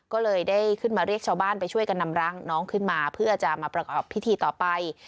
ก็เลยได้ขึ้นมาเรียกชาวบ้านไปช่วยกันนำร่างน้องขึ้นมาเพื่อจะมาประกอบพิธีต่อไป